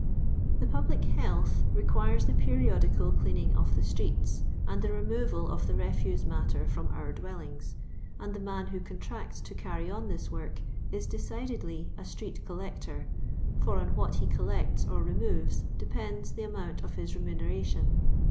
The public health requires the periodical clean ing of the streets, and the removal of the refuse matter from our dwellings ; and the man who con tracts to carry on this work is decidedly a street collector ; for on what be collects or removes depends the amount of his remuneration.